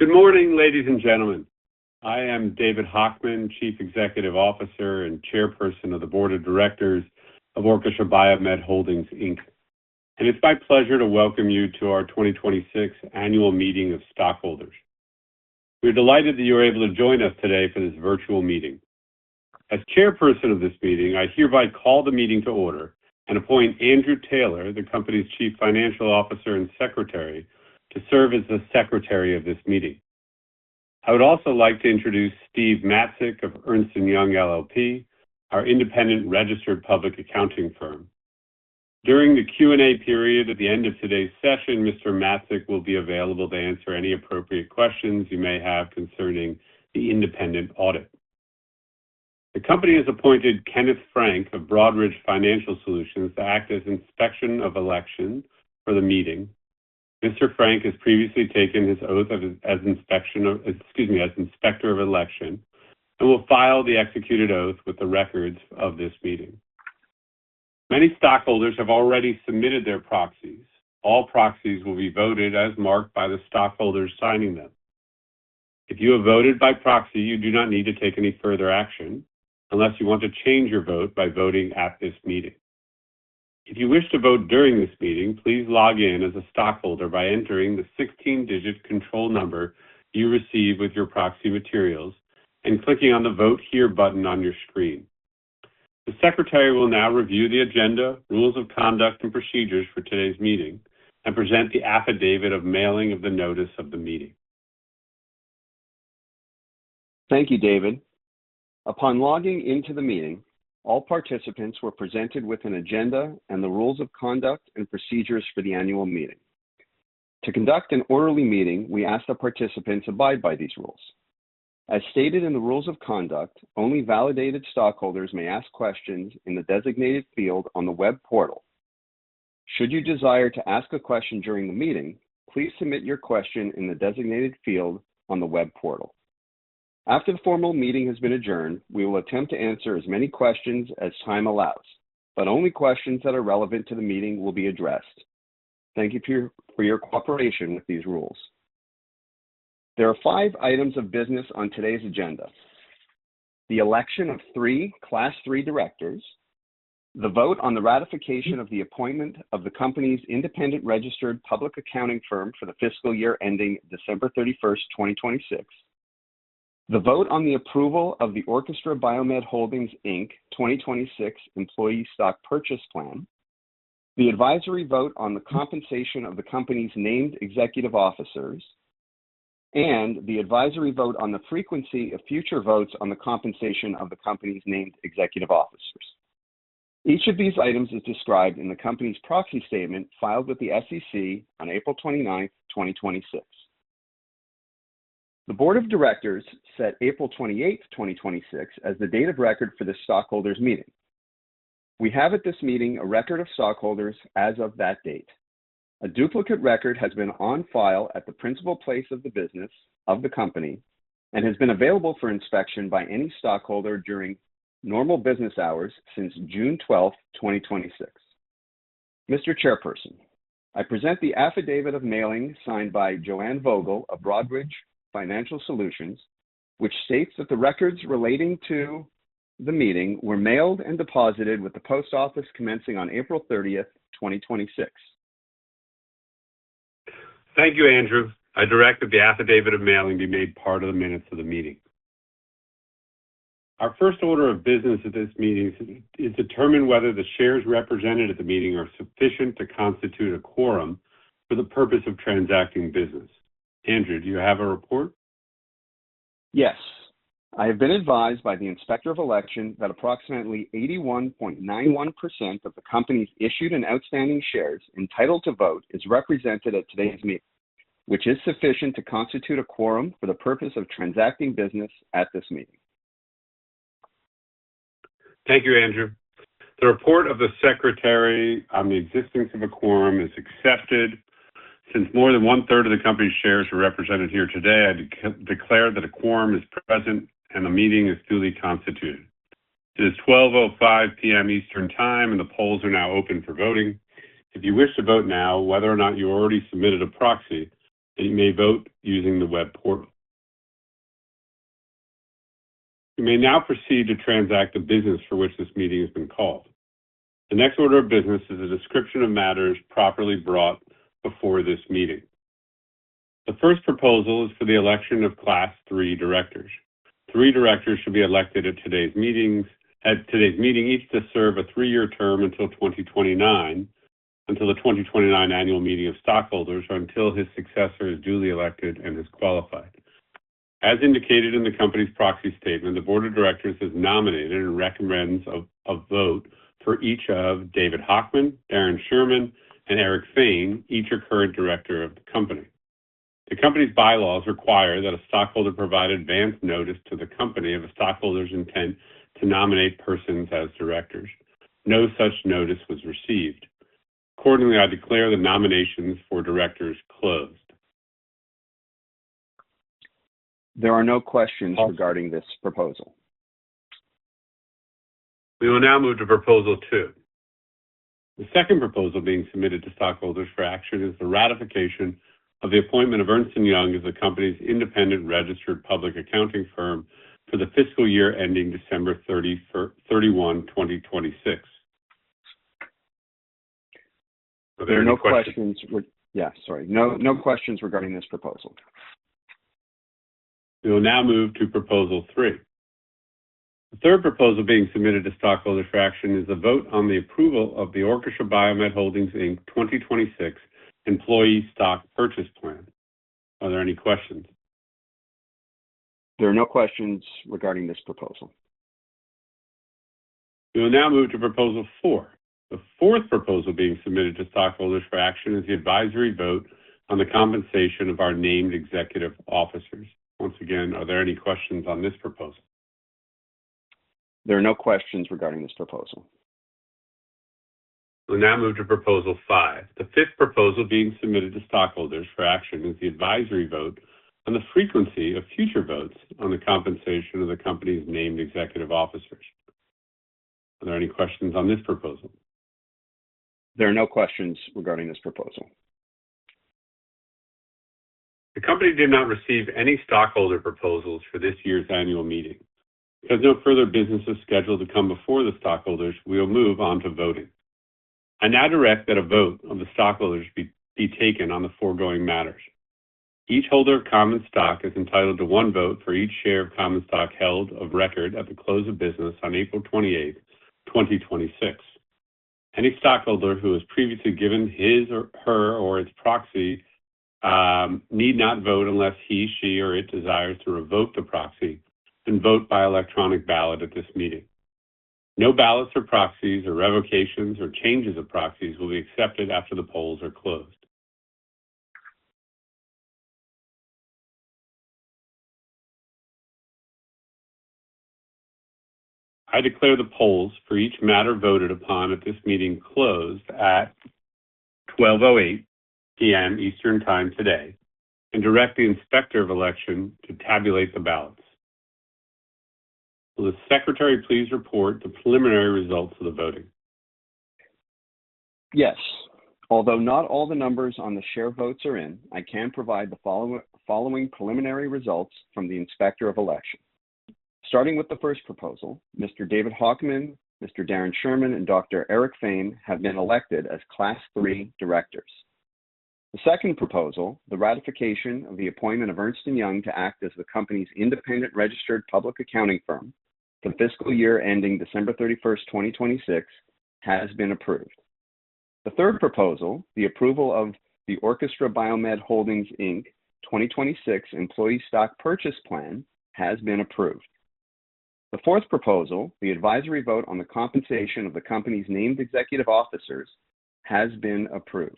Good morning, ladies and gentlemen. I am David Hochman, Chief Executive Officer and Chairperson of the Board of Directors of Orchestra BioMed Holdings, Inc. It's my pleasure to welcome you to our 2026 annual meeting of stockholders. We're delighted that you were able to join us today for this virtual meeting. As chairperson of this meeting, I hereby call the meeting to order and appoint Andrew Taylor, the company's Chief Financial Officer and Secretary, to serve as the secretary of this meeting. I would also like to introduce Steve Matzek of Ernst & Young LLP, our independent registered public accounting firm. During the Q&A period at the end of today's session, Mr. Matzek will be available to answer any appropriate questions you may have concerning the independent audit. The company has appointed Ken Franke of Broadridge Financial Solutions to act as Inspector of Election for the meeting. Mr. Franke has previously taken his oath as Inspector of Election, and will file the executed oath with the records of this meeting. Many stockholders have already submitted their proxies. All proxies will be voted as marked by the stockholders signing them. If you have voted by proxy, you do not need to take any further action unless you want to change your vote by voting at this meeting. If you wish to vote during this meeting, please log in as a stockholder by entering the 16-digit control number you receive with your proxy materials and clicking on the Vote Here button on your screen. The secretary will now review the agenda, rules of conduct, and procedures for today's meeting and present the affidavit of mailing of the notice of the meeting. Thank you, David. Upon logging into the meeting, all participants were presented with an agenda and the rules of conduct and procedures for the annual meeting. To conduct an orderly meeting, we ask that participants abide by these rules. As stated in the rules of conduct, only validated stockholders may ask questions in the designated field on the web portal. Should you desire to ask a question during the meeting, please submit your question in the designated field on the web portal. After the formal meeting has been adjourned, we will attempt to answer as many questions as time allows, but only questions that are relevant to the meeting will be addressed. Thank you for your cooperation with these rules. There are five items of business on today's agenda. The election of 3 Class III directors, the vote on the ratification of the appointment of the company's independent registered public accounting firm for the fiscal year ending December 31st, 2026, the vote on the approval of the Orchestra BioMed Holdings, Inc. 2026 employee stock purchase plan, the advisory vote on the compensation of the company's named executive officers, and the advisory vote on the frequency of future votes on the compensation of the company's named executive officers. Each of these items is described in the company's proxy statement filed with the SEC on April 29th, 2026. The board of directors set April 28th, 2026, as the date of record for this stockholders meeting. We have at this meeting a record of stockholders as of that date. A duplicate record has been on file at the principal place of the business of the company and has been available for inspection by any stockholder during normal business hours since June 12, 2026. Mr. Chairperson, I present the affidavit of mailing signed by Joanne Vogel of Broadridge Financial Solutions, which states that the records relating to the meeting were mailed and deposited with the post office commencing on April 30, 2026. Thank you, Andrew. I direct that the affidavit of mailing be made part of the minutes of the meeting. Our first order of business at this meeting is to determine whether the shares represented at the meeting are sufficient to constitute a quorum for the purpose of transacting business. Andrew, do you have a report? Yes. I have been advised by the Inspector of Election that approximately 81.91% of the company's issued and outstanding shares entitled to vote is represented at today's meeting, which is sufficient to constitute a quorum for the purpose of transacting business at this meeting. Thank you, Andrew. The report of the Secretary on the existence of a quorum is accepted. Since more than one-third of the company's shares are represented here today, I declare that a quorum is present and the meeting is duly constituted. It is 12:05 P.M. Eastern Time. The polls are now open for voting. If you wish to vote now, whether or not you already submitted a proxy, you may vote using the web portal. We may now proceed to transact the business for which this meeting has been called. The next order of business is a description of matters properly brought before this meeting. The first proposal is for the election of Class III directors. Three directors should be elected at today's meeting, each to serve a three-year term until the 2029 annual meeting of stockholders, or until his successor is duly elected and is qualified. As indicated in the company's proxy statement, the board of directors has nominated and recommends a vote for each of David Hochman, Darren Sherman, and Eric Fain, each a current director of the company. The company's bylaws require that a stockholder provide advanced notice to the company of a stockholder's intent to nominate persons as directors. No such notice was received. Accordingly, I declare the nominations for directors closed. There are no questions regarding this proposal. We will now move to proposal 2. The second proposal being submitted to stockholders for action is the ratification of the appointment of Ernst & Young as the company's independent registered public accounting firm for the fiscal year ending December 31, 2026. Are there any questions? Yeah, sorry. No questions regarding this proposal. We will now move to proposal three. The third proposal being submitted to stockholders for action is a vote on the approval of the Orchestra BioMed Holdings, Inc. 2026 employee stock purchase plan. Are there any questions? There are no questions regarding this proposal. We will now move to proposal four. The fourth proposal being submitted to stockholders for action is the advisory vote on the compensation of our named executive officers. Once again, are there any questions on this proposal? There are no questions regarding this proposal. We now move to proposal five. The fifth proposal being submitted to stockholders for action is the advisory vote on the frequency of future votes on the compensation of the company's named executive officers. Are there any questions on this proposal? There are no questions regarding this proposal. No further business is scheduled to come before the stockholders, we will move on to voting. I now direct that a vote of the stockholders be taken on the foregoing matters. Each holder of common stock is entitled to one vote for each share of common stock held of record at the close of business on April 28th, 2026. Any stockholder who has previously given his or her or its proxy need not vote unless he, she, or it desires to revoke the proxy and vote by electronic ballot at this meeting. No ballots or proxies or revocations or changes of proxies will be accepted after the polls are closed. I declare the polls for each matter voted upon at this meeting closed at 12:08 P.M. Eastern Time today and direct the Inspector of Election to tabulate the ballots. Will the Secretary please report the preliminary results of the voting? Yes. Although not all the numbers on the share votes are in, I can provide the following preliminary results from the Inspector of Election. Starting with the first proposal, Mr. David Hochman, Mr. Darren Sherman, and Dr. Eric Fain have been elected as Class III directors. The second proposal, the ratification of the appointment of Ernst & Young to act as the company's independent registered public accounting firm for the fiscal year ending December 31st, 2026, has been approved. The third proposal, the approval of the Orchestra BioMed Holdings, Inc. 2026 employee stock purchase plan, has been approved. The fourth proposal, the advisory vote on the compensation of the company's named executive officers, has been approved.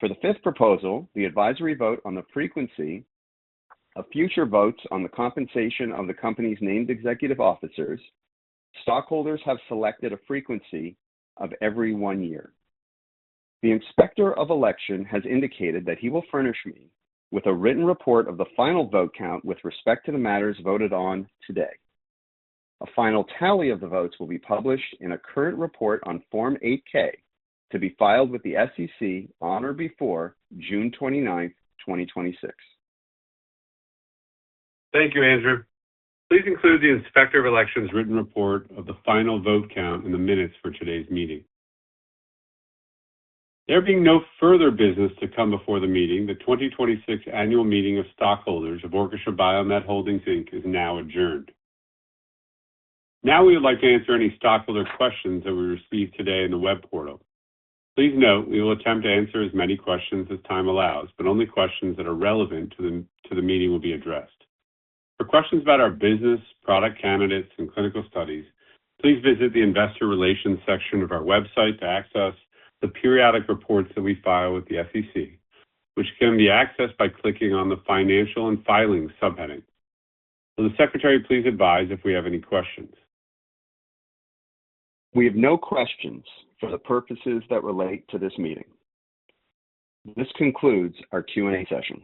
For the fifth proposal, the advisory vote on the frequency of future votes on the compensation of the company's named executive officers, stockholders have selected a frequency of every one year. The Inspector of Election has indicated that he will furnish me with a written report of the final vote count with respect to the matters voted on today. A final tally of the votes will be published in a current report on Form 8-K to be filed with the SEC on or before June 29th, 2026. Thank you, Andrew. Please include the Inspector of Election's written report of the final vote count in the minutes for today's meeting. There being no further business to come before the meeting, the 2026 annual meeting of stockholders of Orchestra BioMed Holdings, Inc. is now adjourned. We would like to answer any stockholder questions that we receive today in the web portal. Please note we will attempt to answer as many questions as time allows, but only questions that are relevant to the meeting will be addressed. For questions about our business, product candidates, and clinical studies, please visit the investor relations section of our website to access the periodic reports that we file with the SEC, which can be accessed by clicking on the financial and filings subheading. Will the Secretary please advise if we have any questions? We have no questions for the purposes that relate to this meeting. This concludes our Q&A session.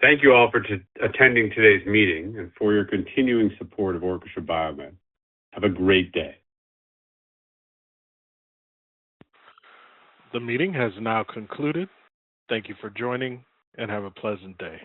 Thank you all for attending today's meeting and for your continuing support of Orchestra BioMed. Have a great day. The meeting has now concluded. Thank you for joining, and have a pleasant day.